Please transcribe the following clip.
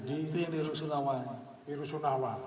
itu yang di rusunawai